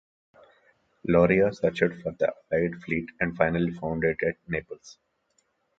Lauria searched for the allied fleet and finally found it at Naples.